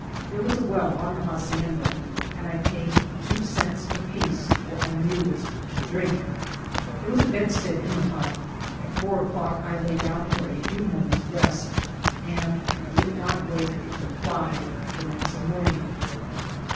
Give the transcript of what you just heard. There was a well on the hacienda, and I paid two cents apiece for our mules to drink. .There was a bedstead in the hut ; at four o'clock I lay down for a few moments' rest, and did not wake till five the next morning.